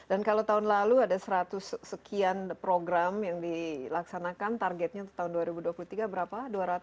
dan kalau tahun lalu ada seratus sekian program yang dilaksanakan targetnya untuk tahun dua ribu dua puluh tiga berapa dua ratus tiga ratus